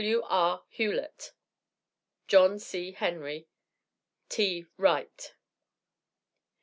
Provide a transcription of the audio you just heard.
W.R. Hughlett John C. Henry, T. Wright.